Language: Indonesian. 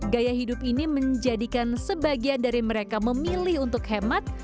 gaya hidup ini menjadikan sebagian dari mereka memilih untuk hemat